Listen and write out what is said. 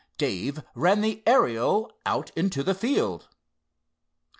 Dave ran the Ariel out into the field.